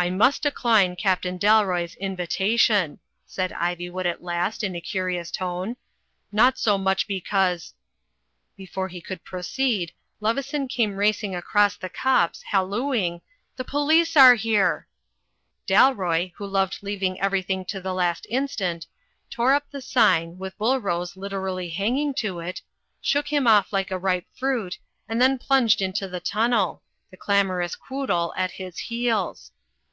"I must decline Captain Dalroy's invitation,*' said Ivywood at last, in a curious tone. "Not so much because "• Before he could proceed, Leveson came racing across the copse, hallooing, "The police are here V Dalroy, who loved leaving everything to the last instant, tore up the sign, with Bullrose literally hang ing to it, shook him off like a ripe fruit, and then plunged into the tunnel, the clamorous Quoodle at his heels.